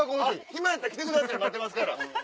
暇やったら来てください待ってますから。